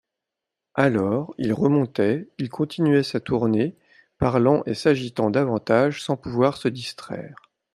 Alors, il remontait, il continuait sa tournée, parlant et s'agitant davantage, sans pouvoir se distraire.